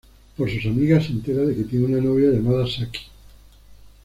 Por sus amigas se entera de que tiene una novia llamada Saki.